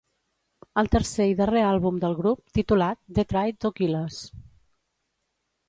El tercer i darrer àlbum del grup, titulat They Tried to Kill Us.